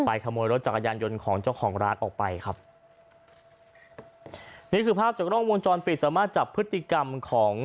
ขโมยรถจักรยานยนต์ของเจ้าของร้านออกไปครับนี่คือภาพจากกล้องวงจรปิดสามารถจับพฤติกรรมของ